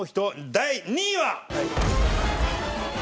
第２位は。